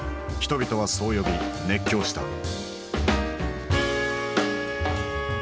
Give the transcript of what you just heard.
人々はそう呼び熱狂した。